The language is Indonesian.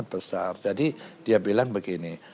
besar jadi dia bilang begini